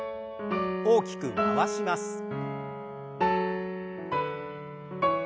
大きく回します。